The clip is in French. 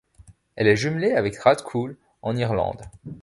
Elle est jumelée avec Rathcoole en Irlande.